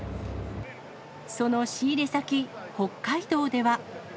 その仕入れ先、北海道では。